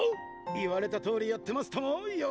言われたとおりやってますともヨガ！